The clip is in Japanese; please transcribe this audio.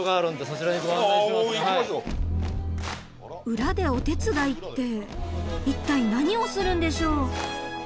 裏でお手伝いって一体何をするんでしょう？